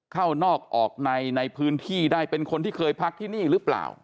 เข้านอกออกในในพื้นที่ได้เป็นคนที่เคยพักที่นี่หรือเปล่า